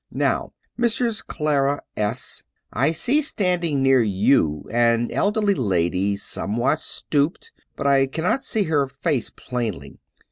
Now, Mrs. Qara S , I see standing near you an elderly lady, somewhat stooped; but I cannot see her face plainly.